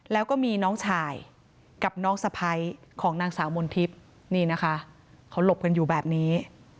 แล้วก็มีน้องชายกับน้องสะพ้ายของนางสาวมนทิพย์นี่นะคะเขาหลบกันอยู่แบบนี้